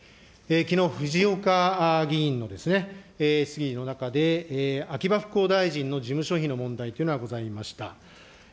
きのう、ふじおか議員の質疑の中で、秋葉復興大臣の事務所費の問題というのがございました。